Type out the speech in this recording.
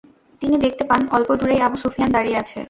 তিনি দেখতে পান অল্প দূরেই আবু সুফিয়ান দাঁড়িয়ে আছে।